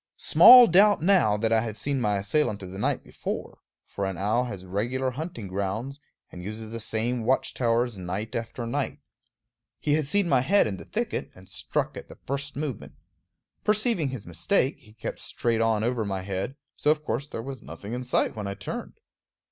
Small doubt now that I had seen my assailant of the night before; for an owl has regular hunting grounds, and uses the same watch towers night after night. He had seen my head in the thicket, and struck at the first movement. Perceiving his mistake, he kept straight on over my head; so of course there was nothing in sight when I turned.